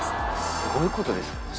すごいことですよね。